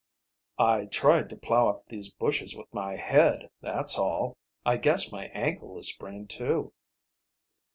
"I tried to plow up these bushes with my head, that's all. I guess my ankle is sprained, too."